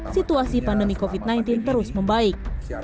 situasi pandemi covid sembilan belas terus membaik